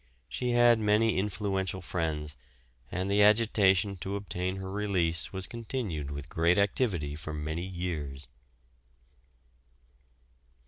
She had many influential friends, and the agitation to obtain her release was continued with great activity for many years.